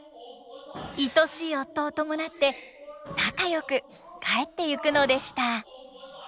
いとしい夫を伴って仲よく帰っていくのでした。